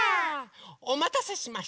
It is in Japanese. おまたせしました。